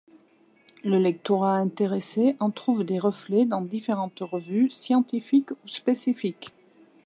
Le lectorat intéressé en trouve des reflets dans différentes revues, scientifiques ou spécifiques.